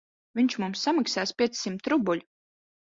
Viņš mums samaksās piecsimt rubļu.